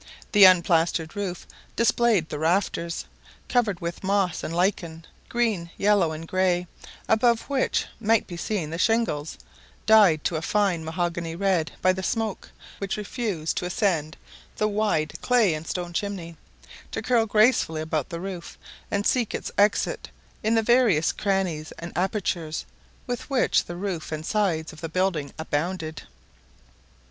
The unplastered roof displayed the rafters, covered with moss and lichens, green, yellow, and grey; above which might be seen the shingles, dyed to a fine mahogany red by the smoke which refused to ascend the wide clay and stone chimney, to curl gracefully about the roof, and seek its exit in the various crannies and apertures with which the roof and sides of the building abounded.